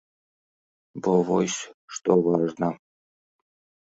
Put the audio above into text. Бо вось што важна.